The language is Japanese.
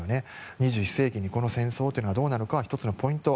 ２１世紀にこの戦争がどうなるかは１つのポイント